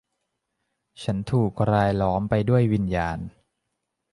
ฉันถูกรายล้อมไปด้วยวิญญาณ